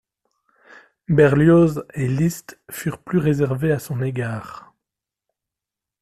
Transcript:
Berlioz et Liszt furent plus réservés à son égard.